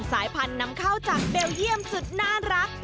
สายพันธุ์นำเข้าจากเบลเยี่ยมสุดน่ารัก